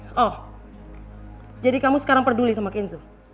oh jadi kamu sekarang peduli sama kinzo